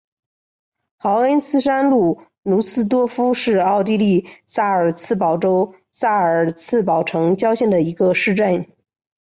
豪恩斯山麓努斯多夫是奥地利萨尔茨堡州萨尔茨堡城郊县的一个市镇。